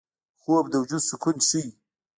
خوب د وجود سکون ښيي